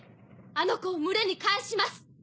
あの子を群れに返します。